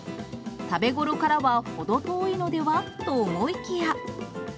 食べ頃からは程遠いのではと思いきや。